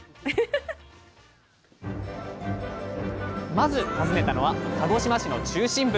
まず訪ねたのは鹿児島市の中心部